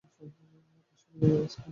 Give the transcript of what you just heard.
আসলে, স্নোবোর্ডিং করছি।